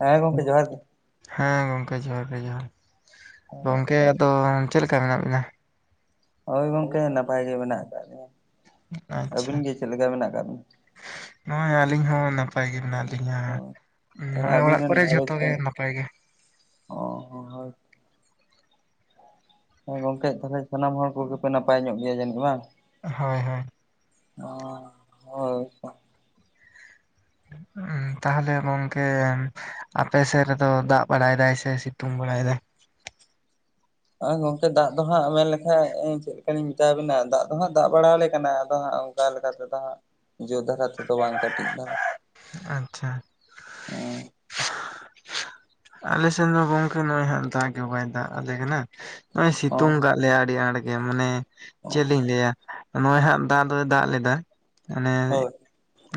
ᱦᱮᱸ ᱜᱚᱝᱠᱮ ᱡᱚᱦᱟᱨ ᱜᱮ ᱦᱮᱸ ᱜᱚᱝᱠᱮ ᱡᱚᱦᱟᱨ ᱜᱮ ᱡᱚᱦᱟᱨ ᱜᱮ᱾ ᱜᱚᱝᱠᱮ ᱟᱫᱚ ᱪᱮᱫ ᱞᱮᱠᱟ ᱢᱮᱱᱟᱜ ᱵᱤᱱᱟ? ᱦᱳᱭ ᱜᱚᱝᱠᱮ ᱱᱟᱯᱟᱭ ᱜᱮ ᱢᱮᱱᱟᱜ ᱟᱠᱟᱫ ᱞᱤᱧᱟ᱾ ᱟᱪᱪᱷᱟ ᱵᱤᱱᱟ ᱱᱚᱜ-ᱚᱭ ᱟᱹᱞᱤᱧ ᱦᱚᱸᱼᱼ ᱱᱟᱯᱟᱭ ᱜᱮ ᱢᱮᱱᱟᱜ ᱞᱤᱧᱟᱹ ᱚ ᱛᱟᱦᱚᱞᱮ ᱱᱚᱜ-ᱚᱭ ᱟᱵᱤᱱ ᱚᱲᱟᱜ ᱨᱮᱱ ᱠᱚᱨᱮ ᱜᱷᱟᱨᱚᱸᱡᱽ ᱡᱷᱚᱛᱚ ᱠᱚ ᱜᱮ ᱱᱟᱯᱟᱭ ᱜᱮ᱾ ᱚ ᱦᱚᱸ ᱦᱳᱭ ᱦᱳᱭ ᱜᱚᱝᱠᱮ ᱛᱟᱦᱚᱞᱮ ᱥᱟᱱᱟᱢ ᱦᱚᱲ ᱠᱚᱜᱮ ᱯᱮ ᱱᱟᱯᱟᱭ ᱧᱚᱜ ᱜᱮᱭᱟ ᱡᱟᱹᱱᱤᱡ ᱵᱟᱝ? ᱦᱚᱭ-ᱦᱚᱭ ᱚᱸ ᱦᱳᱭ ᱛᱚ ᱩᱸᱜ ᱩᱸ ᱛᱟᱦᱚᱞᱮ ᱜᱚᱝᱠᱮᱼᱼ ᱟᱯᱮ ᱥᱮᱫ ᱨᱮᱫᱚ ᱫᱟᱜ ᱵᱟᱲᱟᱭ ᱫᱟᱭ ᱥᱮ ᱥᱤᱛᱩᱝ ᱵᱟᱲᱟᱭ ᱫᱟᱭ? ᱦᱚᱜᱚᱭ ᱜᱚᱝᱠᱭ ᱫᱟᱜ ᱫᱚ ᱦᱟᱸᱜ ᱢᱮᱱ ᱞᱮᱠᱷᱟᱡ ᱪᱮᱫ ᱞᱮᱠᱟ ᱞᱤᱧ ᱢᱮᱛᱟᱵᱤᱱᱟ ᱫᱟᱜ ᱫᱚ ᱦᱟᱸᱜ ᱫᱟᱜ ᱵᱟᱲᱟ ᱟᱞᱮ ᱠᱟᱱᱟ ᱟᱫᱚ ᱦᱟᱸᱜᱼᱼ ᱚᱱᱠᱟ ᱞᱮᱠᱟ ᱛᱮᱫᱚ ᱦᱟᱸᱜ ᱡᱳᱨ ᱫᱷᱟᱨᱟ ᱛᱮᱫᱚ ᱵᱟᱝ ᱠᱟᱹᱴᱤᱡ ᱫᱷᱟᱨᱟᱼᱼ ᱟᱪᱪᱷᱟ ᱩᱸ ᱟᱞᱮ ᱥᱮᱱ ᱫᱚ ᱜᱚᱝᱠᱮ ᱱᱚᱜᱚᱭ ᱦᱟᱜ ᱫᱟᱜ ᱜᱮ ᱵᱟᱭ ᱫᱟᱜ ᱟᱞᱮ ᱠᱟᱱᱟ, ᱱᱚᱜᱚᱭ ᱚ ᱥᱤᱛᱩᱝ ᱠᱟᱜ ᱞᱮᱭᱟ ᱟᱹᱰᱤ ᱟᱸᱴ ᱜᱮ᱾ ᱢᱟᱱᱮ ᱚ ᱪᱮᱫ ᱞᱤᱧ ᱞᱟᱹᱭᱟ ᱱᱚᱜᱚᱭ ᱦᱟᱸᱜ ᱫᱟᱜ ᱫᱚᱭ ᱫᱟᱜ ᱞᱮᱫᱟᱼᱼ ᱢᱟᱱᱮᱼᱼ ᱦᱳᱭ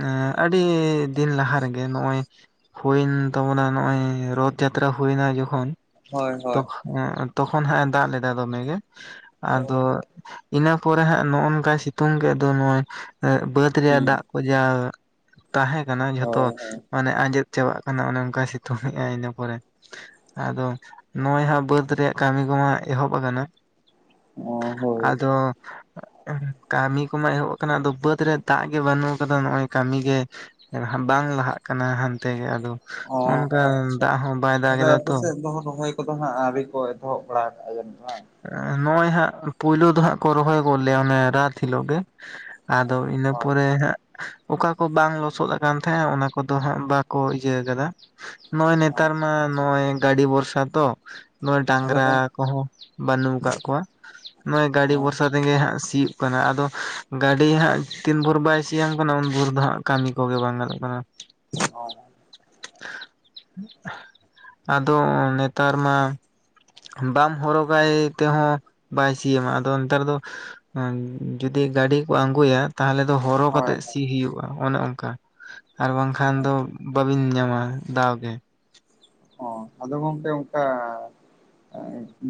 ᱮᱸ ᱟᱹᱰᱤ ᱫᱤᱱ ᱞᱟᱦᱟ ᱨᱮᱜᱮ ᱱᱚᱜᱚᱭ ᱦᱩᱭᱮᱱ ᱛᱟᱵᱚᱱᱟ ᱱᱚᱜᱚᱭ ᱨᱚᱛᱼᱼ ᱡᱟᱛᱨᱟ ᱦᱩᱭ ᱱᱟ ᱡᱚᱠᱷᱚᱱᱼᱼ ᱦᱚᱭ ᱦᱚᱭ ᱦᱮᱸ ᱛᱚᱠᱷᱚᱱ ᱦᱟᱸᱜ ᱮ ᱫᱟᱜ ᱞᱮᱫᱟ ᱫᱚᱢᱮ ᱜᱮ ᱚ ᱟᱫᱚᱼᱼ ᱤᱱᱟᱹ ᱯᱚᱨᱮ ᱦᱟᱸᱜ ᱱᱚᱜᱚ ᱱᱚᱝᱠᱟ ᱥᱤᱛᱩᱝ ᱠᱮᱫ ᱫᱚ ᱱᱚᱜᱚᱭ ᱵᱟᱹᱫ ᱨᱮᱭᱟᱜ ᱦᱩᱸ ᱫᱟᱜ ᱠᱚ ᱡᱟᱦᱟᱸ ᱼᱼ ᱛᱟᱦᱮᱸ ᱠᱟᱱᱟ ᱡᱷᱚᱛᱚ ᱦᱳᱭ ᱦᱳᱭ ᱢᱟᱱᱮ ᱟᱸᱡᱮᱫ ᱪᱟᱵᱟᱜ ᱠᱟᱱᱟ ᱚᱱᱮ ᱚᱱᱠᱟᱭ ᱥᱤᱛᱩᱝ ᱮᱜᱟᱭᱼᱼ ᱯᱚᱨᱮ ᱟᱫᱚ ᱱᱚᱜᱚᱭ ᱦᱟᱸᱜ ᱵᱟᱹᱫᱽ ᱨᱮᱭᱟᱜ ᱠᱟᱹᱢᱤ ᱠᱚᱢᱟ ᱮᱦᱚᱵ ᱟᱠᱟᱱᱟ᱾ ᱚ ᱦᱳᱭ ᱟᱫᱚᱻ ᱠᱟᱹᱢᱤ ᱠᱚᱢᱟ ᱮᱦᱚᱵ ᱟᱠᱟᱱᱟ ᱟᱫᱚ ᱵᱟᱹᱫᱽ ᱨᱮ ᱫᱟᱜ ᱜᱮ ᱵᱟᱹᱱᱩᱜ ᱠᱟᱫᱟ ᱱᱚᱜ-ᱚᱭ ᱠᱟᱹᱢᱤ ᱜᱮᱼᱼ ᱵᱟᱝ ᱞᱟᱦᱟᱜ ᱠᱟᱱᱟ ᱦᱟᱱᱛᱮ ᱜᱮ ᱟᱫᱚ᱾ ᱚ ᱱᱚᱜᱼᱚ ᱱᱚᱝᱠᱟ ᱟᱪᱪᱷᱟ ᱫᱟᱜ ᱦᱚᱸ ᱵᱟᱭ ᱫᱟᱜ ᱛᱟᱦᱟᱞᱮ ᱮᱫᱟ ᱟᱯᱮ ᱛᱚ ᱥᱮᱫ ᱫᱚ ᱨᱚᱦᱚᱭᱼᱼ ᱠᱚᱫᱚ ᱦᱟᱸᱜ ᱟᱹᱣᱨᱤ ᱠᱚ ᱮᱛᱚᱦᱚᱵ ᱵᱟᱲᱟ ᱟᱠᱟᱫᱟ ᱡᱟᱱᱤᱡ ᱵᱟᱝ? ᱱᱚᱜᱚᱭ ᱦᱟᱸᱜ ᱯᱩᱭᱞᱩ ᱫᱚ ᱦᱟᱸ ᱨᱚᱦᱚᱭ ᱜᱚᱫ ᱞᱮᱜᱟ ᱚᱱᱮ ᱨᱟᱛ ᱦᱤᱞᱚᱜ ᱜᱮ᱾ ᱟᱫᱚ ᱤᱱᱟᱹ ᱦᱳᱭ᱾ ᱯᱚᱨᱮ ᱦᱟᱸᱜᱼᱼ ᱚᱠᱟ ᱠᱚ ᱵᱟᱝ ᱞᱚᱥᱚᱫ ᱟᱠᱟᱱ ᱛᱟᱦᱮᱸᱫ ᱚᱱᱟ ᱠᱚᱫᱚ ᱦᱟᱸᱜ ᱵᱟᱠᱚ ᱤᱭᱟᱹ ᱟᱠᱟᱫᱟ᱾ ᱱᱚᱜᱚᱭ ᱱᱮᱛᱟᱨ ᱢᱟ ᱱᱚᱜᱚᱭ ᱜᱟᱹᱰᱤ ᱵᱷᱚᱨᱥᱟ ᱛᱚ ᱱᱚᱜᱚᱭ ᱛᱟᱦᱚᱞᱮ ᱰᱟᱝᱨᱟ ᱜᱚᱝ ᱠᱚᱦᱚᱸᱼᱼ ᱵᱟᱹᱱᱩᱜ ᱠᱟᱜ ᱠᱚᱣᱟ ᱱᱚᱜᱚᱭ ᱜᱟᱹᱰᱤ ᱦᱳᱭ ᱵᱷᱚᱨᱥᱟ ᱛᱮᱜᱮ ᱦᱟᱸᱜ ᱥᱤᱭᱳᱜ ᱠᱟᱱᱟ ᱟᱫᱚ ᱜᱟᱹᱰᱤ ᱦᱟᱸᱜ ᱛᱤᱱ ᱵᱷᱳᱨ ᱵᱟᱭᱼᱼ ᱥᱤᱭᱟᱢ ᱠᱟᱱᱟ ᱩᱱ ᱵᱷᱳᱨ ᱫᱚ ᱦᱟᱸᱜ ᱠᱟᱹᱢᱤ ᱠᱚᱜᱮ ᱵᱟᱝ ᱜᱟᱱᱚᱜ ᱠᱟᱱᱟ᱾ [inaudible] [unintelligible] ᱟᱫᱚ ᱱᱮᱛᱟᱨ ᱢᱟ ᱵᱟᱢ ᱦᱚᱨᱚᱜᱼᱼ ᱵᱟᱭ ᱛᱮᱦᱚᱸ ᱵᱟᱭ ᱥᱤᱭᱟᱢᱟᱭ, ᱟᱫᱚ ᱱᱮᱛᱟᱨ ᱫᱚᱼᱼ ᱡᱩᱚᱫᱤ ᱜᱟᱹᱰᱤ ᱠᱚ ᱟᱱᱜᱩᱭᱟᱼᱼ ᱛᱟᱦᱚᱞᱮ ᱫᱚ ᱦᱚᱨᱚ ᱦᱳᱭ᱾ ᱠᱟᱛᱮᱜ ᱥᱤ ᱦᱩᱭᱩᱜ-ᱟ ᱚᱱᱮ ᱚᱱᱠᱟ ᱟᱨ ᱵᱟᱝᱠᱷᱟᱱ ᱫᱚᱼᱼ ᱵᱟᱹᱧ ᱧᱟᱢᱟ ᱫᱟᱣᱜᱮ᱾ ᱚ ᱟᱫᱚ ᱜᱚᱝᱠᱮ ᱚᱱᱠᱟ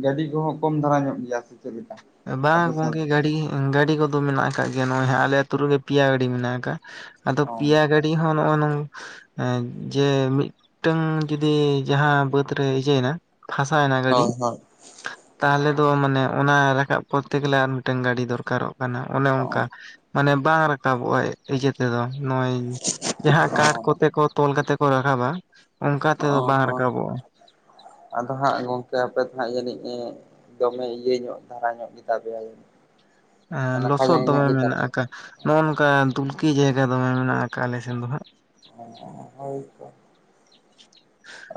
ᱜᱟᱹᱰᱤ ᱠᱚᱦᱚᱸ ᱠᱚᱢ ᱫᱷᱟᱨᱟ ᱧᱚᱜ ᱜᱮᱭᱟ ᱥᱮ? ᱪᱮᱫ ᱞᱮᱠᱟ? ᱵᱟᱝ ᱟᱯᱮ ᱥᱮᱱ ᱜᱚᱝᱠᱮ ᱫᱚ? ᱜᱟᱹᱰᱤᱼᱼ ᱜᱟᱹᱰᱤ ᱠᱚᱫᱚ ᱢᱮᱱᱟᱜ ᱟᱠᱟᱫ ᱜᱮᱭᱟ ᱱᱚᱜᱚᱭ ᱦᱟᱜ ᱟᱞᱮ ᱟᱛᱳ ᱨᱮᱜᱮ ᱯᱮᱭᱟ ᱜᱟᱹᱰᱤ ᱢᱮᱱᱟᱜ ᱟᱠᱟᱫ ᱟᱫᱚ ᱚ ᱯᱮᱭᱟ ᱜᱟᱹᱰᱼᱼ ᱟᱹᱰᱤ ᱦᱚᱸ ᱱᱚᱜ-ᱚ ᱱᱚᱝ ᱡᱮ ᱢᱤᱫ ᱴᱟᱝ ᱡᱩᱫᱤ ᱡᱟᱦᱟᱸ ᱵᱟᱹᱫᱽ ᱨᱮ ᱤᱭᱟᱹᱤᱭᱮᱱᱟ ᱯᱷᱟᱥᱟᱭᱮᱱᱟ ᱜᱟᱹᱰᱤ ᱦᱳᱭ ᱦᱳᱭ᱾ ᱛᱟᱦᱚᱞᱮ ᱫᱚ ᱢᱟᱱᱮ ᱚᱱᱟ ᱨᱟᱠᱟᱵ ᱠᱚᱨᱛᱮ ᱜᱮᱞᱮ ᱟᱨ ᱢᱤᱫᱴᱟᱝ ᱜᱟᱹᱰᱤ ᱫᱚᱨᱠᱟᱨᱚᱜ ᱠᱟᱱᱟ, ᱚᱱᱮ ᱚᱱᱠᱟ ᱢᱟᱱᱮ ᱵᱟᱝ ᱨᱟᱠᱟᱵᱚᱜ ᱟᱭ᱾ ᱱᱤᱡᱮ ᱛᱮᱫᱚ ᱱᱚᱜ-ᱚᱭ ᱡᱟᱦᱟᱸ ᱠᱟᱴ ᱠᱚᱛᱮ ᱠᱚ ᱛᱚᱞ ᱠᱟᱛᱮ ᱠᱚ ᱨᱟᱠᱟᱵᱟ ᱚᱱᱠᱟ ᱛᱮᱫᱚ ᱚ ᱵᱟᱝ ᱦᱳᱭ ᱨᱟᱠᱟᱵᱚᱜᱼᱟ᱾ ᱟᱫᱚ ᱦᱟᱸᱜ ᱜᱚᱝᱠᱮ ᱟᱯᱮ ᱫᱚ ᱦᱟᱸᱜ ᱡᱟᱹᱱᱤᱡ ᱫᱚᱢᱮ ᱤᱭᱟᱹ ᱧᱚᱜ ᱫᱷᱟᱨᱟ ᱧᱚᱜ ᱜᱮᱛᱟ ᱯᱮᱭᱟᱭ᱾ ᱞᱚᱥᱚᱫ ᱫᱚᱢᱮ ᱢᱮᱱᱟᱜ ᱟᱠᱟᱫ, ᱱᱚᱜᱼᱚ ᱱᱚᱝᱠᱟ ᱫᱩᱞᱠᱤ ᱡᱟᱭᱜᱟ ᱫᱚᱢᱮ ᱢᱮᱱᱟᱜ ᱟᱠᱟᱫ ᱟᱞᱮ ᱥᱮᱱ ᱫᱚ ᱦᱟᱸᱜ᱾ ᱚ ᱦᱳᱭ ᱛᱚ᱾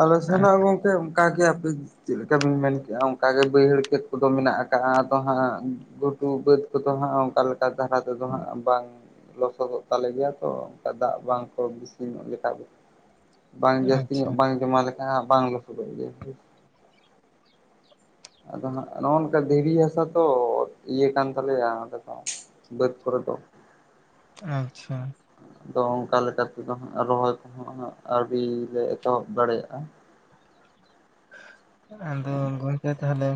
ᱟᱞᱮ ᱥᱮᱱᱟᱜ ᱦᱚ ᱜᱚᱝᱠᱮ ᱚᱝᱠᱟ ᱜᱮ ᱟᱯᱮ ᱪᱮᱫ ᱞᱮᱠᱟ ᱵᱤᱱ ᱢᱮᱱ ᱠᱮᱫᱮᱜᱼᱟ, ᱚᱱᱠᱟ ᱜᱮ ᱵᱟᱹᱭᱦᱟᱹᱲ ᱠᱷᱮᱛ ᱠᱚᱫᱚ ᱢᱮᱱᱟᱜ ᱟᱠᱟᱜᱼᱟ ᱟᱫᱚ ᱦᱟᱸᱜ ᱜᱷᱩᱴᱩ ᱵᱟᱹᱫᱽ ᱠᱚᱫᱚ ᱦᱟᱸᱜ ᱚᱱᱠᱟ ᱞᱮᱠᱟ ᱫᱷᱟᱨᱟ ᱛᱮᱫᱚ ᱦᱟᱸᱜ ᱵᱟᱝ ᱞᱚᱥᱚᱫᱚᱜ ᱛᱟᱞᱮ ᱜᱮᱭᱟ ᱛᱚ ᱚᱱᱠᱟ ᱫᱟᱜ ᱵᱟᱝ ᱠᱚ ᱵᱤᱥᱤᱱ ᱚᱜ ᱞᱮᱠᱟ ᱫᱚ᱾ ᱵᱟᱝ ᱡᱟᱹᱥᱛᱤ ᱟᱪᱪᱷᱟ ᱧᱚᱜ ᱵᱟᱝ ᱡᱚᱢᱟ ᱞᱮᱠᱷᱟᱱ ᱵᱟᱝ ᱞᱚᱥᱚᱫᱚᱜ ᱜᱮᱭᱟ᱾ ᱟᱫᱚ ᱦᱟᱸᱜ ᱱᱚᱜᱼᱚ ᱱᱚᱝᱠᱟ ᱫᱷᱤᱨᱤ ᱦᱟᱥᱟ ᱛᱚ, ᱤᱭᱟᱹ ᱠᱟᱱ ᱛᱟᱞᱮᱭᱟ ᱟᱞᱮ ᱫᱚ᱾ ᱵᱟ. ᱫ ᱠᱚᱨᱮ ᱫᱚ ᱟᱪᱪᱷᱟ ᱟᱫᱚ ᱚᱱᱠᱟ ᱞᱮᱠᱟ ᱛᱮᱫᱚ ᱦᱟᱸᱜ, ᱨᱚᱦᱚᱭ ᱠᱚᱦᱚᱸ ᱟᱹᱣᱨᱤ ᱞᱮ ᱮᱛᱚᱦᱚᱵ ᱫᱟᱲᱮᱭᱟᱜᱼᱟ᱾ ᱟᱫᱚ ᱜᱚᱝᱠᱮ, ᱛᱟᱦᱞᱮ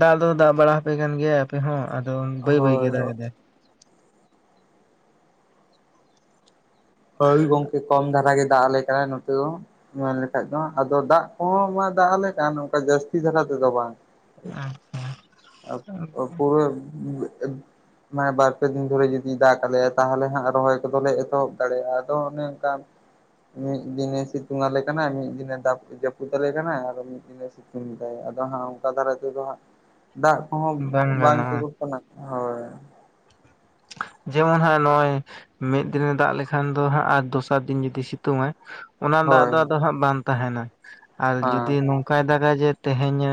ᱫᱟᱜ ᱫᱚ ᱫᱟᱜ ᱵᱟᱲᱟ ᱟᱯᱮ ᱠᱟᱱ ᱜᱮᱭᱟ? ᱦᱚᱸ ᱟᱫᱚ ᱵᱟᱹᱭ ᱵᱟᱹᱭ ᱜᱮ ᱦᱳᱭ ᱦᱳᱭ ᱫᱟᱜ ᱮᱫᱟᱭ᱾ ᱦᱳᱭ ᱜᱚᱝᱠᱮ ᱠᱚᱢ ᱫᱷᱟᱨᱟ ᱜᱮ ᱫᱟᱜ ᱟᱞᱮ ᱠᱟᱱᱟ ᱱᱚᱛᱮ ᱛᱚ ᱢᱮᱱ ᱞᱮᱠᱷᱟᱡ ᱫᱚ ᱟᱫᱚ ᱫᱟᱜ ᱠᱚᱦᱚᱸ ᱢᱟ ᱫᱟᱜ ᱟᱞᱮ ᱠᱟᱱ ᱚᱱᱠᱟ ᱡᱟᱹᱥᱛᱤ ᱫᱷᱟᱨᱟ ᱛᱮᱫᱚ ᱵᱟᱝ᱾ ᱟᱪᱪᱷᱟ ᱯᱩᱨᱟᱹ ᱢᱟᱱᱮ ᱵᱟᱨ ᱯᱮ ᱫᱤᱱ ᱫᱷᱚᱨᱮ ᱡᱩᱫᱤ ᱫᱟᱜ ᱟᱞᱮᱭᱟ, ᱛᱟᱦᱚᱞᱮ ᱦᱟᱸᱜ ᱨᱚᱦᱚᱭ ᱠᱚᱫᱚᱞᱮ ᱮᱛᱚᱦᱚᱵ ᱫᱟᱲᱮᱭᱟᱜ ᱟᱫᱚ ᱚᱱᱮ ᱚᱱᱠᱟ ᱢᱤᱫ ᱫᱤᱱᱮ ᱥᱤᱛᱩᱝ ᱟᱞᱮ ᱠᱟᱱᱟᱭ, ᱢᱤᱫ ᱫᱤᱱᱮ ᱫᱟᱵ ᱡᱟᱹᱯᱩᱫ ᱟᱞᱮ ᱠᱟᱱᱟᱭ ᱟᱨᱦᱚᱸ ᱢᱤᱫ ᱫᱤᱱᱮ ᱥᱤᱛᱩᱝ ᱮᱫᱟᱭ ᱟᱫᱚ ᱦᱟᱸᱜ ᱚᱱᱠᱟ ᱫᱷᱟᱨᱟ ᱛᱮᱫᱚ ᱦᱟᱸᱜ ᱫᱟᱜ ᱦᱚᱸ ᱵᱟᱝ ᱴᱷᱤᱠᱩᱜ ᱠᱟᱱᱟ, ᱦᱳᱭ ᱡᱮᱢᱚᱱ ᱦᱟᱸ ᱱᱚᱜᱼᱚᱭ ᱢᱤᱫ ᱫᱤᱱᱮ ᱫᱟᱜ ᱞᱮᱠᱷᱟᱱ ᱫᱚ ᱦᱟᱸᱜ ᱟᱨ ᱫᱚᱥᱟᱨ ᱫᱤᱱ ᱡᱩᱫᱤ ᱥᱤᱛᱩᱝ ᱟᱭ ᱚᱱᱟ ᱫᱟᱜ ᱦᱳᱭ ᱫᱚ ᱦᱮᱸ ᱟᱫᱚ ᱦᱟᱸᱜ ᱵᱟᱝ ᱛᱟᱦᱮᱱᱟ ᱟᱨ ᱡᱩᱫᱤ ᱱᱚᱝᱠᱟᱭ ᱫᱟᱜᱟ ᱡᱮ ᱛᱮᱦᱮᱧ ᱮ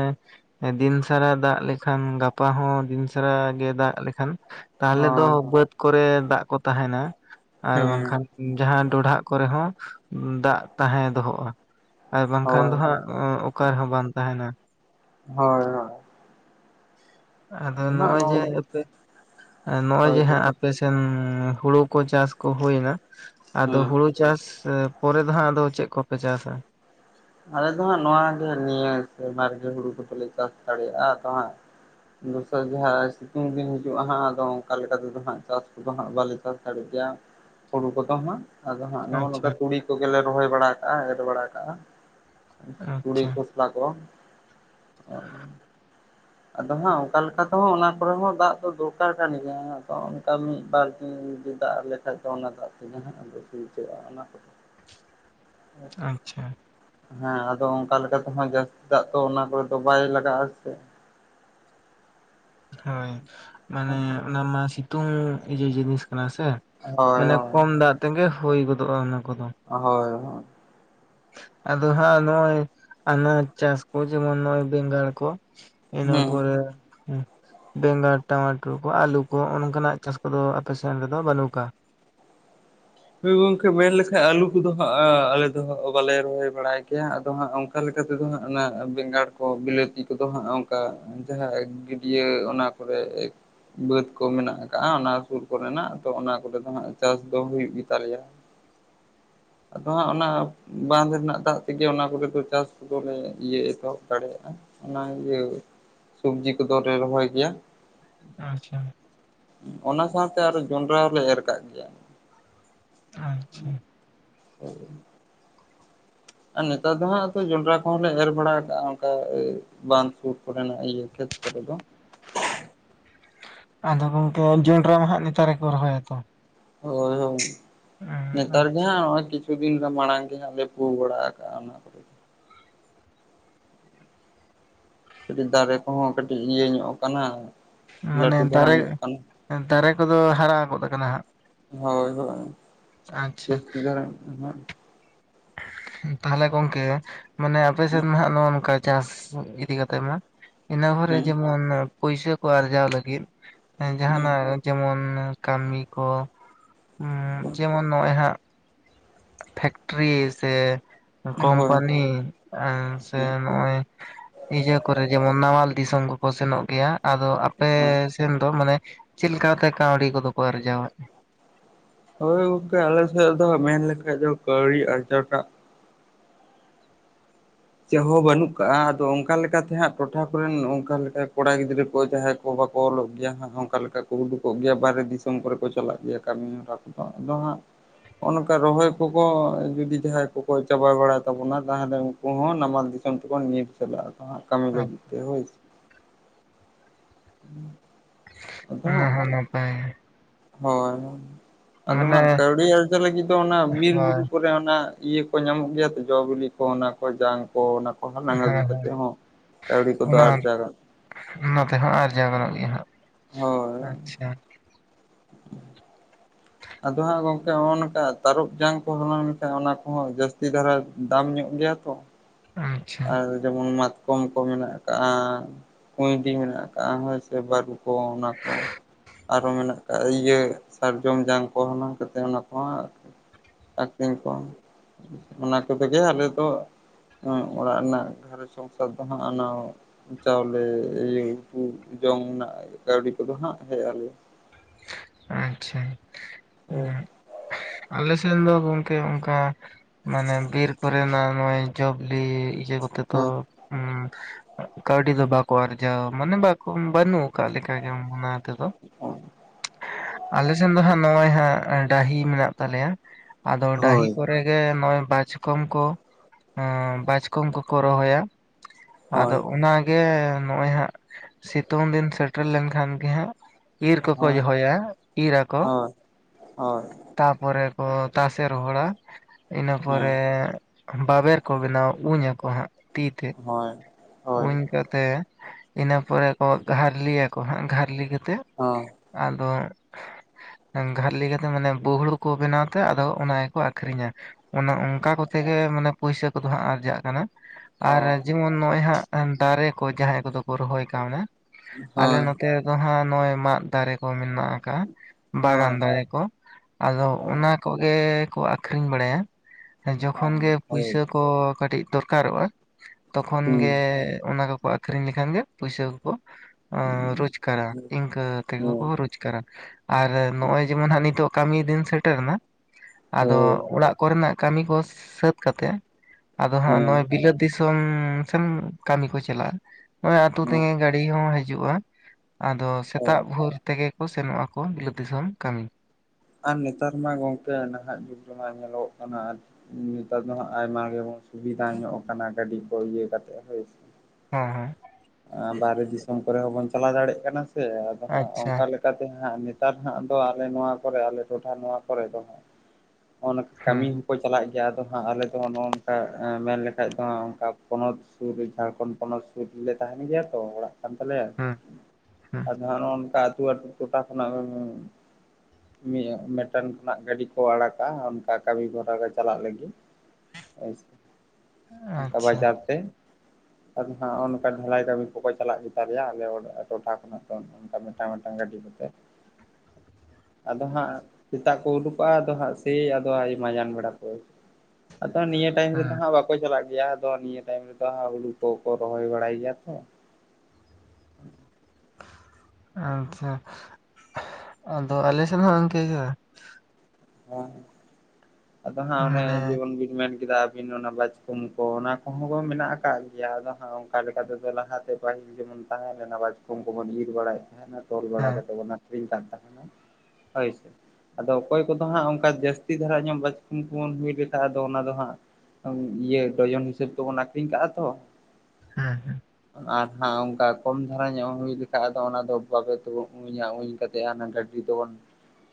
ᱫᱤᱱ ᱥᱟᱨᱟ ᱫᱟᱜ ᱞᱮᱠᱷᱟᱱ, ᱜᱟᱯᱟ ᱦᱚᱸ ᱫᱤᱱ ᱥᱟᱨᱟ ᱜᱮ ᱫᱟᱜ ᱞᱮᱠᱷᱟᱱ ᱛᱟᱦᱚᱞᱮ ᱫᱚ ᱦᱳᱭ ᱦᱳᱭ ᱵᱟᱹᱫᱽ ᱠᱚᱨᱮ ᱫᱟᱜ ᱠᱚ ᱛᱟᱦᱮᱱᱟ ᱟᱨ ᱦᱩᱸ ᱵᱟᱝᱠᱷᱟᱱ ᱡᱟᱦᱟᱸ ᱰᱚᱰᱷᱟᱜ ᱠᱚᱨᱮ ᱦᱚᱸ ᱫᱟᱜ ᱛᱟᱦᱮᱸ ᱫᱚᱦᱚᱜᱼᱟ ᱟᱨ ᱵᱟᱝᱠᱷᱟᱱ ᱫᱚ ᱦᱳᱭ ᱦᱟᱸ ᱚ ᱚᱠᱟ ᱨᱮᱦᱚᱸ ᱵᱟᱝ ᱛᱟᱦᱮᱱᱟ᱾ ᱦᱳᱭ ᱦᱳᱭ ᱟᱫᱚ ᱦᱟᱸᱜ ᱱᱚᱜᱼᱚᱭ ᱱᱚᱜᱼᱚ ᱡᱮ ᱟᱯᱮ ᱱᱚᱜᱼᱚᱭ ᱡᱮ ᱦᱳᱭ ᱞᱟᱹᱜᱤᱫ ᱦᱟᱸᱜ ᱟᱯᱮ ᱥᱮᱫ ᱦᱩᱸ ᱦᱩᱲᱩ ᱠᱚ ᱪᱟᱥ ᱠᱚ ᱦᱩᱭᱱᱟ ᱟᱫᱚ ᱦᱮᱸ ᱦᱩᱲᱩ ᱪᱟᱥ ᱯᱚᱨᱮ ᱫᱚ ᱦᱟᱸᱜ ᱟᱫᱚ ᱪᱮᱫ ᱠᱚᱯᱮ ᱪᱟᱥᱟ? ᱟᱞᱮ ᱫᱚ ᱦᱟᱸᱜ ᱱᱚᱣᱟ ᱜᱮ ᱱᱤᱭᱟᱹ ᱥᱮᱨᱢᱟ ᱨᱮᱜᱮ ᱦᱩᱲᱩ ᱠᱚᱫᱚᱞᱮ ᱪᱟᱥ ᱫᱟᱲᱮᱭᱟᱜᱼᱟ, ᱟᱫᱚ ᱦᱟᱸᱜ ᱫᱚᱥᱟᱨ ᱡᱟᱦᱟᱸ ᱥᱤᱛᱩᱝ ᱫᱤᱱ ᱦᱤᱡᱩᱜᱼᱟ ᱦᱟᱸᱜ ᱟᱫᱚ ᱚᱱᱠᱟ ᱞᱮᱠᱟ ᱛᱮᱫᱚ ᱦᱟᱸᱜ ᱪᱟᱥ ᱟᱫᱚ ᱦᱟᱸᱜ ᱵᱟᱞᱮ ᱪᱟᱥ ᱫᱟᱲᱮᱜ ᱜᱮᱭᱟ ᱦᱩᱲᱩ ᱠᱚᱫᱚ ᱦᱟᱸᱜ ᱟᱫᱚ ᱦᱟᱸᱜ ᱱᱚᱜᱼᱚᱭ ᱱᱚᱝᱠᱟ ᱟᱪᱪᱷᱟ ᱛᱩᱲᱤ ᱠᱚᱜᱮᱞᱮ ᱨᱚᱦᱚᱭ ᱵᱟᱲᱟ ᱟᱠᱟᱜᱼᱟ ᱮᱨ ᱵᱟᱲᱟ ᱠᱟᱜᱼᱟ ᱛᱩᱲᱤ ᱟᱪᱪᱷᱟ ᱠᱷᱚᱥᱞᱟ ᱠᱚ ᱟᱫᱚ ᱦᱟᱸᱜ ᱚᱱᱠᱟ ᱞᱮᱠᱟ ᱛᱮᱦᱚᱸ ᱚᱱᱟ ᱠᱚᱨᱮ ᱦᱚᱸ ᱫᱟᱜ ᱫᱚ ᱫᱚᱨᱠᱟᱨ ᱠᱟᱱ ᱜᱮᱭᱟ, ᱟᱫᱚ ᱚᱱᱠᱟ ᱢᱤᱫ ᱵᱟᱨ ᱫᱤᱱ ᱫᱤᱱ ᱫᱟᱜ ᱟᱞᱮ ᱠᱷᱟᱡ ᱫᱚ ᱚᱱᱟ ᱫᱟᱜ ᱛᱮᱜᱮ ᱦᱟᱸᱜ ᱵᱷᱤᱡᱟᱹᱜᱼᱟ ᱚᱱᱟ ᱠᱚᱫᱚ ᱟᱪᱪᱷᱟ ᱦᱮᱸ ᱟᱫᱚ ᱚᱱᱠᱟ ᱞᱮᱠᱟ ᱛᱮᱦᱚᱸ ᱡᱟᱹᱥᱛᱤ ᱫᱟᱜ ᱫᱚ ᱚᱱᱟ ᱠᱚᱨᱮ ᱫᱚ ᱵᱟᱭ ᱞᱟᱜᱟᱜᱼᱟ ᱥᱮ ᱦᱳᱭ ᱢᱟᱱᱮ ᱚᱱᱟᱢᱟ ᱥᱤᱛᱩᱝ ᱤᱭᱟ. ᱡᱤᱱᱤᱥ ᱠᱟᱱᱟ ᱥᱮ ᱦᱳᱭ ᱢᱟᱱᱮ ᱦᱳᱭ ᱠᱚᱢ ᱫᱟᱜ ᱛᱮᱜᱮ ᱦᱩᱭ ᱜᱚᱫᱚᱜᱼᱟ ᱚᱱᱟ ᱠᱚᱫᱚ ᱦᱳᱭ ᱦᱳᱭ᱾ ᱟᱫᱚ ᱦᱟᱸᱜ ᱱᱚᱜ-ᱚᱭ ᱟᱱᱟ ᱪᱟᱥ ᱠᱚ ᱡᱮᱢᱚᱱ ᱱᱚᱜ-ᱚᱭ ᱵᱮᱸᱜᱟᱲ ᱠᱚ᱾ ᱤᱱᱟᱹ ᱦᱮᱸ ᱯᱚᱨᱮ, ᱦᱩᱸ᱾ ᱵᱮᱸᱜᱟᱲ ᱴᱟᱢᱟᱴᱳᱨ ᱠᱚ, ᱟᱹᱞᱩ ᱠᱚ ᱦᱚᱸᱜ-ᱚ ᱱᱚᱝᱠᱟᱱᱟᱜ ᱪᱟᱥ ᱠᱚᱫᱚ ᱟᱯᱮ ᱥᱮᱱ ᱨᱮᱫᱚ ᱵᱟᱹᱱᱩᱜ ᱠᱟᱜ-ᱟ᱾ ᱦᱳᱭ ᱜᱚᱝᱠᱮ ᱢᱮᱱ ᱞᱮᱠᱷᱟᱡ ᱟᱞᱩ ᱠᱚᱫᱚ ᱦᱟᱸᱜ ᱟᱞᱮ ᱫᱚ ᱦᱟᱸᱜ ᱵᱟᱞᱮ ᱨᱚᱦᱚᱭ ᱵᱟᱲᱟᱭ ᱜᱮᱭᱟ ᱟᱫᱚ ᱦᱟᱸᱜ ᱚᱝ ᱚᱝᱠᱟ ᱞᱮᱠᱟ ᱛᱮᱫᱚ ᱦᱟᱸᱜ ᱚᱱᱟ ᱵᱮᱸᱜᱟᱲ ᱠᱚ, ᱵᱤᱞᱟᱹᱛᱤ ᱠᱚᱫᱚ ᱦᱟᱸᱜ ᱚᱝᱠᱟ᱾ ᱡᱟᱦᱟᱸ ᱜᱟᱹᱰᱤᱭᱟᱹ ᱚᱱᱟ ᱠᱚᱨᱮ ᱵᱟᱹᱫ ᱠᱚ ᱢᱮᱱᱟᱜ ᱟᱠᱟᱜ-ᱟ ᱚᱱᱟ ᱥᱩᱨ ᱠᱚᱨᱮᱱᱟᱜ ᱛᱚ, ᱚᱱᱟ ᱠᱚᱨᱮ ᱫᱚ ᱦᱟᱸᱜ ᱪᱟᱥ ᱫᱚ ᱦᱩᱭᱩᱜ ᱜᱮ᱾ ᱛᱟᱞᱮᱭᱟ᱾ ᱟᱫᱚ ᱦᱟᱸᱜ ᱚᱱᱟ ᱵᱟᱸᱫ ᱨᱮᱱᱟᱜ ᱫᱟᱜ ᱛᱮᱜᱮ ᱚᱱᱟ ᱠᱚᱨᱮ ᱠᱚ ᱪᱟᱥ ᱫᱚᱞᱮ ᱤᱭᱟᱹ ᱮᱛᱚᱦᱚᱵ ᱫᱟᱲᱮᱭᱟᱜ-ᱟ ᱚᱱᱟ ᱤᱭᱟᱹ᱾ ᱥᱚᱵᱽᱡᱤ ᱠᱚᱫᱚᱞᱮ ᱨᱚᱦᱚᱭ ᱜᱮᱭᱟ᱾ ᱟᱪᱪᱷᱟ᱾ ᱚᱱᱟ ᱥᱟᱶᱛᱮ ᱟᱨᱦᱚ ᱡᱚᱸᱰᱨᱟ ᱦᱚᱸᱞᱮ ᱮᱨ ᱠᱟᱜ ᱜᱮᱭᱟ᱾ ᱟᱪᱪᱷᱟ᱾ ᱦᱳᱭ᱾ ᱟᱨ ᱱᱮᱛᱟᱨ ᱫᱚ ᱦᱟᱸᱜ ᱛᱚ, ᱡᱚᱸᱰᱨᱟ ᱠᱚᱦᱚᱸᱞᱮ ᱮᱨ ᱵᱟᱲᱟ ᱠᱟᱜ-ᱟ ᱚᱝᱠᱟ ᱮᱹᱭ ᱵᱟᱱᱫᱽ ᱥᱩᱨ ᱠᱚᱨᱮᱱᱟᱜ ᱤᱭᱟᱹ ᱠᱷᱮᱛ ᱠᱚᱨᱮ ᱫᱚ᱾ ᱟᱫᱚ ᱜᱚᱝᱠᱮ ᱡᱚᱸᱰᱨᱟ ᱢᱟ ᱦᱟᱸᱜ ᱱᱮᱛᱟᱨ ᱨᱮᱠᱚ ᱨᱚᱦᱚᱭᱟᱛᱚ᱾ ᱦᱳᱭ ᱦᱳᱭ, ᱱᱮᱛᱟᱨ ᱡᱟᱦᱟᱸ, ᱦᱚᱸᱜ-ᱚᱭ ᱠᱤᱪᱷᱩ ᱠᱤᱪᱷᱩ ᱫᱤᱱ ᱜᱟᱱ ᱢᱟᱲᱟᱝ ᱜᱮ ᱦᱟᱸᱜ ᱞᱮ ᱯᱩ ᱵᱟᱲᱟ ᱠᱟᱜ-ᱟ ᱚᱱᱟ ᱠᱚ᱾ ᱠᱟᱹᱴᱤᱡ ᱫᱟᱨᱮ ᱠᱚᱦᱚᱸ ᱠᱟᱹᱴᱤᱡ ᱤᱭᱟᱹ ᱧᱚᱜ ᱟᱠᱟᱱᱟ᱾ ᱢᱟᱱᱮ ᱫᱟᱨᱮ, ᱫᱟᱨᱮ ᱠᱚᱫᱚ ᱦᱟᱨᱟ ᱜᱚᱫ ᱠᱟᱱᱟ ᱦᱟᱸᱜ᱾ ᱦᱳᱭ ᱦᱳᱭ ᱟᱪᱪᱷᱟ ᱡᱟᱹᱥᱛᱤ ᱫᱷᱟᱨᱟ ᱱᱟᱜ᱾ ᱠᱷᱟᱱ ᱛᱟᱦᱞᱮ ᱜᱚᱝᱠᱮ, ᱢᱟᱱᱮ ᱟᱯᱮ ᱥᱮᱫ ᱦᱟᱸᱜ ᱱᱚᱜ-ᱚ ᱱᱚᱝᱠᱟ ᱪᱟᱥ ᱤᱫᱤ ᱠᱟᱛᱮᱜ ᱢᱟ᱾ ᱤᱱᱟᱹ ᱯᱚᱨᱮ ᱦᱮᱸ ᱡᱮᱢᱚᱱ ᱯᱩᱭᱥᱟᱹ ᱠᱚ ᱟᱨᱡᱟᱣ ᱞᱟᱹᱜᱤᱫ ᱦᱮᱸ ᱡᱟᱸᱦᱟᱱᱟᱜ ᱡᱮᱢᱚᱱ ᱠᱟᱹᱢᱤ ᱠᱚ, ᱦᱳᱭ ᱡᱮᱢᱚᱱ ᱱᱚᱜ-ᱚᱭ ᱦᱟᱸᱜ ᱯᱷᱮᱠᱴᱨᱤ ᱥᱮ ᱦᱳᱭ ᱠᱚᱢᱯᱟᱱᱤ ᱟᱸ ᱥᱮ ᱱᱚᱜ-ᱚᱭ ᱤᱭᱟᱹ ᱠᱚᱨᱮ ᱡᱮᱢᱚᱱ ᱱᱟᱢᱟᱞ ᱫᱤᱥᱚᱢ ᱠᱚᱠᱚ ᱥᱮᱱᱚᱜ ᱜᱮᱭᱟ᱾ ᱟᱫᱚ ᱦᱳᱭ᱾ ᱥᱮᱱ ᱫᱚ ᱢᱟᱱᱮ ᱪᱮᱫ ᱞᱮᱠᱟᱛᱮ ᱠᱟᱹᱣᱰᱤ ᱠᱚᱫᱚ ᱠᱚ ᱟᱨᱡᱟᱣᱟ? ᱦᱳᱭ ᱜᱚᱝᱠᱮ ᱟᱞᱮᱥᱮᱫ ᱫᱚ ᱦᱟᱸᱜ ᱢᱮᱱ ᱞᱮᱠᱷᱟᱡ ᱫᱚ ᱠᱟᱹᱣᱰᱤ ᱟᱨᱡᱟᱣ ᱴᱟᱜ ᱪᱮᱫ ᱦᱚᱸ ᱵᱟᱹᱱᱩᱜ ᱠᱟᱜ-ᱟ᱾ ᱟᱫᱚ ᱚᱝᱠᱟ ᱞᱮᱠᱟᱛᱮ ᱦᱟᱸᱜ ᱴᱚᱴᱷᱟ ᱠᱚᱨᱮᱱ ᱚᱝᱠᱟ ᱞᱮᱠᱟ ᱠᱚᱲᱟ ᱜᱤᱫᱽᱨᱟᱹ ᱠᱚ ᱡᱟᱦᱟᱸᱭ ᱟᱠᱚ ᱵᱟᱠᱚ ᱚᱞᱚᱜ ᱜᱮᱭᱟ ᱦᱟᱸᱜ ᱚᱝᱠᱟ ᱞᱮᱠᱟ ᱠᱚ ᱩᱰᱩᱠᱚᱜ ᱜᱮᱭᱟ ᱵᱟᱦᱨᱮ ᱫᱤᱥᱚᱢ ᱠᱚᱨᱮ ᱠᱚ ᱪᱟᱞᱟᱜ ᱜᱮᱭᱟ ᱠᱟᱹᱢᱤ ᱦᱚᱨᱟ ᱠᱚᱫᱚ᱾ ᱟᱫᱚ ᱦᱟᱸᱜ ᱱᱚᱜ-ᱚ ᱱᱚᱝᱠᱟ ᱨᱚᱦᱚᱭ ᱠᱚᱠᱚ ᱡᱩᱫᱤ ᱡᱟᱦᱟᱸᱭ ᱠᱚᱠᱚ ᱪᱟᱵᱟᱟᱭ ᱵᱟᱲᱟᱭ ᱛᱟᱵᱚᱱᱟ ᱛᱟᱦᱞᱮ ᱩᱱᱠᱩᱦᱚᱸ ᱱᱟᱢᱟᱞ ᱫᱤᱥᱚᱢ ᱛᱮᱠᱚ ᱧᱤᱨ ᱪᱟᱞᱟᱜ-ᱟ ᱟᱠᱚ ᱦᱟᱸᱜ ᱠᱟᱹᱢᱤ ᱞᱟᱹᱜᱤᱫ ᱛᱮ ᱦᱳᱭ ᱥᱮ᱾ ᱟᱫᱚ ᱚᱱᱟᱦᱚᱸ ᱱᱟᱯᱟᱭ᱾ ᱦᱳᱭ, ᱟᱫᱚ ᱢᱟᱱᱮ ᱦᱟᱸᱜ ᱠᱟᱹᱣᱰᱤ ᱟᱨᱡᱟᱣ ᱞᱟᱹᱜᱤᱫ ᱫᱚ ᱚᱱᱟ ᱵᱤᱨ ᱦᱳᱭ ᱵᱩᱨᱩ ᱠᱚᱨᱮ ᱚᱱᱟ ᱤᱭᱟᱹ ᱠᱚ ᱧᱟᱢᱚᱜ ᱜᱮᱭᱟ ᱛᱚ ᱡᱚ ᱵᱤᱞᱤ ᱠᱚ, ᱚᱱᱟ ᱠᱚ, ᱡᱟᱝ ᱠᱚ, ᱚᱱᱟ ᱠᱚ ᱦᱟᱞᱟᱝ ᱦᱮᱸ ᱟᱹᱜᱩ ᱠᱟᱛᱮ ᱦᱮᱸ ᱦᱚᱸ ᱠᱟᱹᱣᱰᱤ ᱠᱚᱫᱚ ᱟᱨᱡᱟᱣ ᱜᱟᱱᱚᱜ-ᱟ᱾ ᱚᱱᱟᱛᱮᱦᱚᱸ ᱟᱨᱡᱟᱣ ᱜᱟᱱᱚᱜ ᱜᱮᱭᱟ ᱦᱟᱸᱜ᱾ ᱦᱳᱭ᱾ ᱟᱪᱪᱷᱟ ᱟᱫᱚ ᱦᱟᱸᱜ ᱜᱚᱝᱠᱮ ᱦᱚᱸᱜ-ᱚ ᱱᱚᱝᱠᱟ ᱛᱟᱨᱚᱯ ᱡᱟᱝ ᱠᱚ ᱦᱚᱞᱟᱝ ᱞᱮᱠᱷᱟᱡ ᱚᱱᱟ ᱠᱚᱦᱚᱸ ᱡᱟᱹᱥᱛᱤ ᱫᱷᱟᱨᱟ ᱫᱟᱢ ᱧᱚᱜ ᱜᱮᱭᱟ ᱛᱚ᱾ ᱟᱪᱪᱷᱟ ᱟᱨ ᱡᱮᱢᱚᱱ ᱢᱟᱛᱠᱚᱢ ᱠᱚ ᱢᱮᱱᱟᱜ ᱟᱠᱟᱜ-ᱟ᱾ ᱠᱩᱸᱭᱰᱤ ᱢᱮᱱᱟᱜ ᱟᱠᱟᱜ-ᱟ ᱦᱮᱸ ᱥᱮ, ᱵᱟᱨᱩ ᱠᱚ, ᱚᱱᱟ ᱠᱚ᱾ ᱟᱨᱚ ᱢᱮᱱᱟᱜ ᱠᱟᱜ-ᱟ ᱤᱭᱟᱹ ᱥᱟᱨᱡᱚᱢ ᱡᱟᱝ ᱠᱚ ᱦᱟᱞᱟᱝ ᱠᱟᱛᱮ ᱚᱱᱟ ᱠᱚᱦᱚᱸ ᱟᱠᱠᱷᱨᱤᱧ ᱠᱚ᱾ ᱚᱱᱟ ᱠᱚ ᱛᱮᱜᱮ ᱟᱞᱮ ᱫᱚ ᱚᱲᱟᱜ ᱨᱮᱱᱟᱜ ᱜᱷᱟᱨᱚᱸᱡᱽ ᱥᱚᱝᱥᱟᱨ ᱫᱚ ᱦᱟᱸᱜ ᱚᱱᱟ ᱪᱟᱣᱞᱮ, ᱤᱭᱟᱹ ᱩᱛᱩ ᱡᱚᱢ ᱨᱮᱱᱟᱜ ᱠᱟᱹᱣᱰᱤ ᱠᱚᱫᱚ ᱦᱟᱸᱜ ᱦᱮᱡ ᱟᱞᱮᱭᱟ᱾ ᱟᱪᱪᱷᱟ᱾ ᱚ᱾ ᱦᱮᱸ ᱟᱞᱮ ᱥᱮᱱ ᱫᱚ ᱜᱚᱢᱠᱮ ᱱᱚᱜᱼ ᱚᱱᱠᱟ ᱾ ᱢᱟᱱᱮ ᱵᱤᱨ ᱠᱚᱨᱮ ᱫᱚ ᱱᱚᱜᱼᱚᱭ ᱡᱚ ᱵᱤᱞᱤ ᱤᱭᱟᱹᱠᱚᱛᱮ ᱛᱚᱼᱼᱼ ᱦᱮᱸ ᱠᱟᱹᱣᱰᱤ ᱫᱚ ᱵᱟᱠᱚ ᱟᱨᱡᱟᱣ-ᱟ ᱢᱟᱱᱮ ᱵᱟᱠᱚ ᱵᱟᱹᱱᱩ ᱠᱟ ᱞᱮᱠᱟᱜᱮ ᱚᱱᱟ ᱛᱮᱫᱚ ᱾ ᱚ [unintelligible] ᱟᱞᱮ ᱥᱮᱱ ᱫᱚ ᱦᱟᱸᱜ ᱱᱚᱜᱼᱚᱭ ᱦᱟᱸᱜ ᱰᱟᱹᱦᱤ ᱢᱮᱱᱟᱜ ᱛᱟᱞᱮᱭᱟ, ᱟᱫᱚ ᱰᱟᱹᱦᱤ ᱦᱳᱭ ᱠᱚᱨᱮᱼᱼ ᱜᱮ ᱱᱚᱜᱼᱚᱭ ᱵᱟᱪᱠᱚᱢ ᱠᱚ, ᱵᱟᱪᱠᱚᱢ ᱠᱚᱠᱚ ᱨᱚᱦᱚᱭᱟ ᱾ ᱟᱫᱚ ᱦᱳᱭ ᱚᱱᱟᱼᱼ ᱜᱮ ᱱᱚᱜᱼᱚᱭ ᱦᱟᱸᱜ ᱥᱤᱛᱩᱝ ᱫᱤᱱ ᱥᱮᱴᱮᱨ ᱞᱮᱱᱠᱷᱟᱱ ᱜᱮ ᱦᱟᱸᱜ ᱤᱨᱼᱼ ᱠᱚ ᱦᱳᱭ ᱫᱚᱦᱚᱭᱟ ᱤᱨ ᱟᱠᱚ ᱦᱳᱭ ᱦᱳᱭ ᱾ ᱛᱟᱯᱚᱨᱮ ᱠᱚ ᱛᱟᱥᱮ ᱨᱚᱦᱚᱲᱟ ᱤᱱᱟᱹ ᱦᱮᱸ ᱯᱚᱨᱮᱼᱼ ᱵᱟᱵᱮᱨ ᱠᱚ ᱵᱮᱱᱟᱣᱼᱟ ᱩᱧ ᱟᱠᱚ ᱦᱟᱸᱜ ᱛᱤ ᱛᱮ ᱾ ᱦᱚᱭ ᱩᱧ ᱠᱟᱛᱮᱜ, ᱤᱱᱟᱹ ᱯᱚᱨᱮ ᱠᱚ ᱜᱷᱟᱨᱞᱤᱭᱟᱠᱚ ᱦᱟᱸᱜ ᱜᱷᱟᱨᱞᱤ ᱠᱟᱛᱮᱜᱼᱼ ᱦᱚ ᱟᱫᱚᱼᱼ ᱜᱷᱟᱨᱞᱤ ᱠᱟᱛᱮ ᱢᱟᱱᱮ ᱵᱩᱦᱩᱲᱩ ᱠᱚ ᱵᱮᱱᱟᱣ ᱛᱮ ᱟᱫᱚ ᱚᱱᱟ ᱜᱮᱠᱚ ᱟᱠᱷᱨᱤᱧᱟ ᱾ ᱚᱱᱮ ᱚᱱᱠᱟ ᱠᱚᱛᱮ ᱜᱮ ᱢᱟᱱᱮ ᱯᱩᱭᱥᱟᱹ ᱠᱚᱫᱚ ᱦᱟᱸᱜ ᱟᱨᱡᱟᱜ ᱠᱟᱱᱟ, ᱟᱨ ᱦᱳᱭ ᱡᱮᱢᱚᱱ ᱱᱚᱜᱼᱚᱭ ᱦᱟᱸᱜᱼᱼ ᱫᱟᱨᱮ ᱠᱚ ᱡᱟᱦᱟᱸᱭ ᱠᱚᱫᱚ ᱠᱚ ᱨᱚᱦᱚᱭ ᱠᱟᱣᱱᱟ, ᱟᱞᱮ ᱦᱳᱭ ᱱᱚᱛᱮᱼᱼ ᱦᱟᱸ ᱱᱚᱜᱼᱚᱭ ᱢᱟᱫ ᱫᱟᱨᱮ ᱠᱚ ᱢᱮᱱᱟᱜ ᱟᱠᱟᱫᱼᱟ, ᱦᱳᱭ ᱵᱟᱜᱟᱱ ᱫᱟᱨᱮ ᱠᱚ, ᱟᱫᱚ ᱚᱱᱟᱼᱼ ᱦᱩᱸ ᱠᱚᱜᱮ ᱠᱚ ᱟᱠᱷᱨᱤᱧ ᱵᱟᱲᱟᱭᱟ ᱾ ᱡᱚᱠᱷᱚᱱ ᱜᱮ ᱯᱩᱭᱥᱟᱹ [inaudible] ᱠᱚ ᱠᱟᱹᱴᱤᱡ ᱫᱚᱨᱠᱟᱨᱚᱜᱼᱟ, ᱛᱚᱠᱷᱚᱱ ᱜᱮ ᱚᱱᱟ ᱠᱚᱠᱚᱼᱼ ᱟᱠᱷᱨᱤᱧ ᱞᱮᱠᱷᱟᱱ ᱜᱮ ᱯᱩᱭᱥᱟᱹ ᱠᱚᱠᱚ ᱨᱳᱡᱽᱜᱟᱨᱼᱟ ᱤᱱᱝᱠ ᱦᱩᱸ ᱛᱮᱜᱮ ᱠᱚ ᱦᱳᱭ ᱨᱳᱡᱽᱜᱟᱨᱟ ᱾ ᱟᱨ ᱱᱚᱜᱼᱚᱭ ᱡᱮᱢᱚᱱ ᱦᱟᱸᱜ ᱱᱤᱛᱚᱜ ᱠᱟᱹᱢᱤ ᱫᱤᱱ ᱥᱮᱴᱮᱨᱱᱟ, ᱟᱫᱚ ᱦᱳᱭ ᱚᱲᱟᱜ ᱠᱚᱨᱮᱱᱟᱜᱼᱼ ᱠᱟᱹᱢᱤ ᱠᱚ ᱥᱟᱹᱛ ᱠᱟᱛᱮ, ᱟᱫᱚ ᱦᱟᱸᱜ ᱱᱚᱜᱼᱚᱭ ᱦᱮᱸ ᱵᱤᱞᱟᱹᱛ ᱫᱤᱥᱚᱢᱼᱼ ᱥᱮᱱ ᱠᱟᱹᱢᱤ ᱠᱚ ᱪᱟᱞᱟᱜᱼᱟ ᱾ ᱱᱚᱜᱼᱚᱭ ᱟᱛᱩ ᱛᱮᱜᱮ ᱜᱟᱹᱰᱤ ᱦᱚᱸ ᱦᱤᱡᱩᱜᱼᱟ ᱟᱫᱚᱼᱼ ᱦᱳᱭ ᱥᱮᱛᱟᱜ ᱵᱷᱩᱨ ᱛᱮᱜᱮ ᱠᱚ ᱥᱮᱱᱚᱜ ᱟᱠᱚ ᱵᱤᱞᱟᱹᱛ ᱫᱤᱥᱚᱢ ᱠᱟᱹᱢᱤ ᱾ ᱟᱨ ᱱᱮᱛᱟᱨ ᱢᱟ ᱜᱚᱝᱠᱮ ᱱᱟᱦᱟᱜ ᱡᱩᱜᱽ ᱨᱮᱢᱟ ᱧᱮᱞᱚᱜᱚᱜ ᱠᱟᱱᱟ ᱟᱨᱼᱼ ᱱᱮᱛᱟᱨ ᱫᱚ ᱦᱟᱸᱜ ᱟᱭᱢᱟ ᱜᱮᱵᱚᱱ ᱥᱩᱵᱤᱫᱟ ᱧᱚᱜ ᱟᱠᱟᱱᱟ ᱜᱟᱹᱰᱤ ᱠᱚ ᱤᱭᱟᱹ ᱠᱟᱛᱮᱜ ᱦᱳᱭ ᱥᱮ ᱾ ᱦᱩᱸ ᱦᱩᱸ ᱵᱟᱦᱨᱮ ᱫᱤᱥᱚᱢ ᱠᱚᱨᱮ ᱦᱚᱸᱵᱚᱱ ᱪᱟᱞᱟᱣ ᱫᱟᱲᱮᱭᱟᱜ ᱠᱟᱱᱟ ᱥᱮ ᱟᱫᱚ ᱦᱟᱸᱜ ᱟᱪᱪᱷᱟ ᱚᱱᱠᱟ ᱞᱮᱼᱼ ᱟᱱᱠᱟᱛᱮ ᱦᱟᱸᱜ ᱱᱮᱛᱟᱨ ᱦᱟᱜ ᱫᱚ ᱟᱞᱮ ᱱᱚᱣᱟ ᱠᱚᱨᱮ ᱟᱞᱮ ᱴᱚᱴᱷᱟ ᱱᱚᱣᱟ ᱠᱚᱨᱮ ᱫᱚ ᱦᱟᱸᱜᱼᱼ ᱚᱱᱠᱟ [unintelligible] ᱠᱟᱹᱢᱤ ᱦᱮᱸ ᱠᱚ ᱪᱟᱞᱟᱜ ᱜᱮᱭᱟ ᱟᱫᱚ ᱦᱟᱸᱜ ᱟᱞᱮᱫᱚ ᱱᱚᱜᱼᱚ ᱱᱚᱝᱠᱟ ᱢᱮᱱ ᱞᱮᱠᱷᱟᱡ ᱫᱚ ᱦᱟᱜ ᱚᱱᱠᱟ ᱯᱚᱱᱚᱥ ᱥᱩᱨ ᱨᱮ ᱡᱷᱟᱲᱠᱷᱚᱱᱰ ᱯᱚᱱᱚᱥ ᱥᱩᱨ ᱨᱮ [unintelligible] ᱛᱟᱦᱮᱱ ᱜᱮᱭᱟ ᱛᱚ ᱚᱲᱟᱜ ᱠᱟᱱ ᱛᱟᱞᱮᱭᱟ, ᱦᱮᱸ ᱦᱮᱸ ᱟᱫᱚ ᱦᱟᱜ ᱱᱚᱜᱼᱚ ᱱᱚᱝᱠᱟᱼᱼ ᱟᱹᱛᱩ ᱟᱹᱛᱩ ᱴᱚᱴᱷᱟ ᱠᱷᱚᱱᱟᱜ [unintelligible] ᱢᱮᱴᱟᱝ ᱠᱷᱚᱱᱟᱜ ᱜᱟᱹᱰᱤ ᱠᱚ ᱟᱲᱟᱜᱟ ᱚᱱᱠᱟ ᱠᱟᱹᱢᱤ ᱵᱟᱨᱟ ᱨᱮ ᱪᱟᱞᱟᱜ ᱞᱟᱹᱜᱤᱫ ᱾ [unintelligible] ᱚᱱᱠᱟ ᱟᱪᱪᱷᱟ ᱵᱟᱡᱟᱨ ᱛᱮ, ᱟᱫᱚ ᱦᱟᱜᱼᱼ ᱰᱷᱟᱞᱟᱭ ᱠᱟᱹᱢᱤ ᱠᱚᱠᱚ ᱪᱟᱞᱟᱜ ᱜᱮᱛᱟ ᱞᱮᱭᱟ ᱟᱞᱮ ᱴᱚᱴᱷᱟ ᱠᱷᱚᱱᱟᱜ ᱚᱱᱠᱟ ᱢᱤᱫᱴᱟᱝ ᱢᱤᱫᱴᱟᱝ ᱜᱟᱹᱰᱤ ᱠᱚᱛᱮ ᱾ [inaudible] ᱟᱫᱚ ᱦᱟᱸᱜ, ᱥᱮᱛᱟᱜ ᱠᱚ ᱩᱰᱩᱠᱚᱜᱼᱟ ᱟᱫᱚ ᱦᱟᱸᱜ ᱥᱮᱭ ᱟᱫᱚ ᱦᱟᱸᱜ ᱢᱟᱡᱟᱱ ᱵᱮᱲᱟ ᱠᱚᱼᱼ ᱟᱫᱚ ᱱᱤᱭᱟᱹ ᱴᱟᱭᱤᱢ ᱨᱮᱫᱚ ᱦᱮᱸ ᱦᱟᱸᱜ ᱵᱟᱠᱚ ᱪᱟᱞᱟᱜ ᱜᱮᱭᱟ ᱟᱫᱚ ᱱᱤᱭᱟᱹ ᱴᱟᱭᱤᱢ ᱨᱮᱫᱚ ᱦᱟᱸᱜ ᱦᱩᱲᱩ ᱠᱚᱠᱚ ᱨᱚᱦᱚᱭ ᱵᱟᱲᱟᱭ ᱜᱮᱭᱟ ᱛᱚ ᱾ ᱟᱪᱪᱷᱟ ᱟᱫᱚ ᱟᱞᱮ ᱥᱮᱱ ᱦᱚᱸ ᱤᱱᱠᱟᱹ ᱜᱮ ᱵᱟᱝ ᱾ ᱦᱮᱸ ᱟᱫᱚ ᱦᱟᱸ ᱚᱱᱮ ᱢᱟᱱᱮ ᱡᱤᱵᱚᱱ ᱵᱮᱱ ᱢᱮᱱ ᱠᱮᱫᱟ, ᱵᱤᱱ ᱚᱱᱟ ᱵᱟᱪᱠᱚᱢ ᱠᱚ ᱚᱱᱟ ᱠᱚᱦᱚᱸ ᱠᱚ ᱢᱮᱱᱟᱜ ᱟᱠᱟᱫ ᱜᱮᱭᱟ ᱟᱫᱚ ᱦᱟᱸᱜ ᱚᱱᱠᱟ ᱞᱮᱠᱟ ᱛᱮᱫᱚ ᱞᱟᱦᱟᱛᱮ ᱯᱟᱦᱤᱞ ᱡᱮᱢᱚᱱᱼᱼ ᱛᱟᱦᱮᱸ ᱞᱮᱱᱟ ᱵᱟᱪᱠᱚᱢ ᱠᱚᱵᱚᱱ ᱤᱨ ᱵᱟᱲᱟᱭᱮᱫ ᱛᱟᱦᱮᱸᱱᱟ ᱾ ᱛᱚᱞ ᱵᱟᱲᱟ ᱦᱮᱸ ᱠᱟᱛᱮ ᱵᱚᱱ ᱟᱠᱷᱨᱤᱧ ᱠᱟᱜ ᱠᱟᱱ ᱛᱟᱦᱮᱱᱟ, ᱦᱳᱭ ᱥᱮ ᱟᱫᱚ ᱚᱠᱚᱭᱼᱼ ᱫᱚ ᱦᱟᱸᱜ ᱚᱱᱠᱟ ᱡᱟᱹᱥᱛᱤ ᱫᱷᱟᱨᱟ ᱧᱚᱜ ᱵᱟᱪᱠᱚᱢ ᱠᱚᱵᱚᱱ ᱦᱩᱭ ᱞᱮᱠᱷᱟᱱ ᱟᱫᱚ ᱚᱱᱟ ᱫᱚ ᱦᱟᱸᱜᱼᱼ ᱤᱭᱟᱹ ᱰᱚᱡᱚᱱ ᱦᱤᱥᱟᱹᱵ ᱛᱮᱵᱚᱱ ᱟᱠᱷᱨᱤᱧ ᱠᱟᱜᱼᱟ ᱛᱚ ᱾ ᱦᱮᱸ ᱦᱮᱸ ᱟᱨ ᱦᱟᱸᱜ ᱚᱱᱠᱟ ᱠᱚᱢ ᱫᱷᱟᱨᱟ ᱧᱚᱜ ᱦᱩᱭ ᱞᱮᱠᱷᱟᱡ ᱟᱫᱚ ᱚᱱᱟ ᱫᱚ ᱵᱟᱵᱮᱨ ᱛᱮᱠᱚ ᱩᱧ-ᱟ ᱩᱧ ᱠᱟᱛᱮ-ᱟ ᱚᱱᱮ ᱜᱟᱹᱰᱤ ᱫᱚᱵᱚᱱ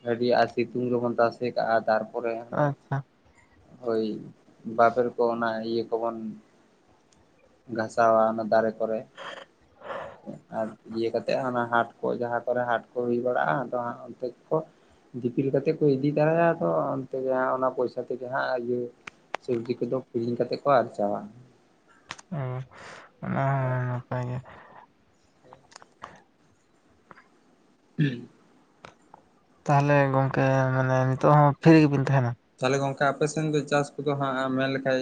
ᱜᱟᱹᱰᱤᱭᱟ-ᱟ ᱥᱤ..... ᱥᱤᱛᱩᱝ ᱨᱮᱵᱚᱱ ᱛᱟᱥᱮ ᱠᱟᱜᱼᱟ ᱛᱟᱨᱯᱚᱨᱮ ᱦᱟᱱᱮᱼᱼ ᱟᱪᱪᱷᱟ ᱦᱟᱭ ᱵᱟᱵᱮᱨ ᱠᱚ ᱚᱱᱟ ᱤᱭᱟᱹ ᱠᱚᱵᱚᱱᱼᱼ ᱜᱷᱟᱥᱟᱣᱟ ᱚᱱᱟ ᱫᱟᱨᱮ ᱠᱚᱨᱮ ᱟᱨ ᱤᱭᱟᱹ ᱠᱟᱛᱮᱜ ᱚᱱᱟ ᱦᱟᱸᱴ ᱠᱚ ᱡᱟᱦᱟᱸ ᱠᱚᱨᱮ ᱦᱟᱸᱴ ᱠᱚ ᱦᱩᱭ ᱵᱟᱲᱟᱜᱼᱟ ᱟᱫᱚ ᱦᱟᱸᱜ ᱚᱱᱛᱮ ᱠᱚ ᱫᱤᱯᱤᱞ ᱠᱟᱛᱮ ᱠᱚ ᱤᱫᱤ ᱛᱟᱨᱟᱭ ᱟᱠᱚ ᱚᱱᱛᱮ ᱜᱮ ᱦᱟᱸᱜ ᱚᱱᱟ ᱯᱚᱭᱥᱟ ᱛᱮᱜᱮ ᱦᱟᱸᱜ ᱤᱭᱟᱹ ᱥᱚᱵᱽᱡᱤ ᱠᱚᱫᱚ ᱠᱤᱨᱤᱧ ᱠᱟᱛᱮ ᱠᱚ ᱟᱨᱡᱟᱣᱟ᱾ ᱚ ᱚᱱᱟ ᱦᱚᱸ ᱱᱟᱯᱟᱭ ᱜᱮ [unintelligible] ᱛᱟᱦᱚᱞᱮ ᱜᱚᱝᱠᱮ ᱢᱟᱱᱮ ᱱᱤᱛᱚᱜ ᱦᱚᱸ ᱯᱷᱨᱤ ᱜᱮ ᱵᱤᱱ ᱛᱟᱦᱮᱱᱟ ᱛᱟᱦᱚᱞᱮ ᱜᱚᱝᱠᱮ ᱟᱯᱮ ᱥᱮᱱ ᱫᱚ ᱪᱟᱥ ᱠᱚᱫᱚ ᱦᱟᱸᱜ ᱢᱮᱱ ᱞᱮᱠᱷᱟᱡ